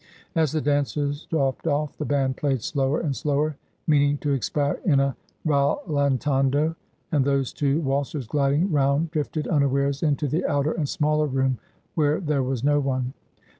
As the dancers dropped ofiE the band played slower and slower, meaning to expire in a rallentmdo, and those two waltzers gliding round drifted unawares into the outer and smaller room, where there was no one.